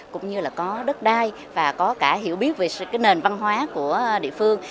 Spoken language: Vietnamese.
cũng như là có đất đai và có cả hiểu biết về cái nền văn hóa của địa phương